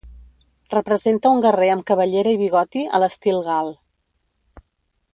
Representa un guerrer amb cabellera i bigoti a l'estil gal.